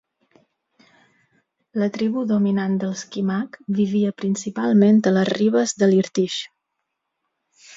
La tribu dominant dels Kimak vivia principalment a les ribes de l'Irtysh.